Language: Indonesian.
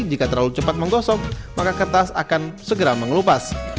jika terlalu cepat menggosok maka kertas akan segera mengelupas